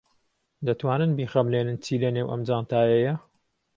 دەتوانن بیخەملێنن چی لەنێو ئەم جانتایەیە؟